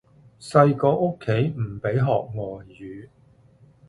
細個屋企唔俾學外語